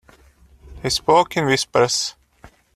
They spoke in whispers.